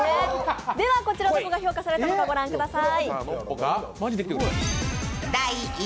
こちらどこが評価されたのかご覧ください。